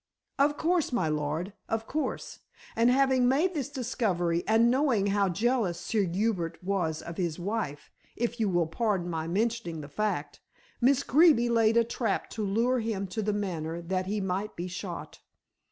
"Of course, my lord; of course. And having made this discovery and knowing how jealous Sir Hubert was of his wife if you will pardon my mentioning the fact Miss Greeby laid a trap to lure him to The Manor that he might be shot."